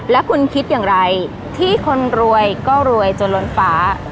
และคุณคิดอย่างไรที่คนรวยก็รวยจนล้นฟ้า